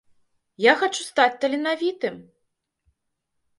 Я хачу стаць таленавітым!